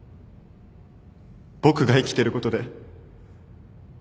僕が生きてることで。